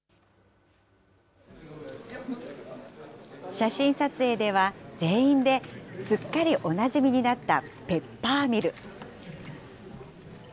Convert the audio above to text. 写真撮影では、全員で、すっかりおなじみになったペッパーミル。